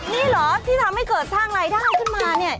นี่เหรอที่ทำให้เกิดสร้างรายได้ขึ้นมาเนี่ย